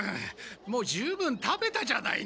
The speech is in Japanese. もう十分食べたじゃないの。